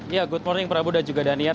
ya good morning prabu dan juga daniar